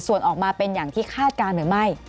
ส่วนออกมาเป็นอย่างที่คาดการณ์หรือไม่